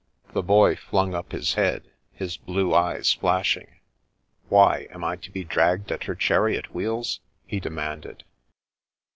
The Boy flung up his head, his blue eyes flashing. " Why am I to be dragged at her chariot wheels ?" he demanded.